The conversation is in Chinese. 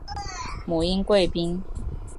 母殷贵嫔。